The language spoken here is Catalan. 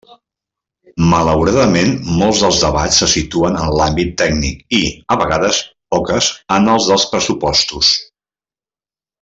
Malauradament, molts dels debats se situen en l'àmbit tècnic i, a vegades, poques, en el dels pressupostos.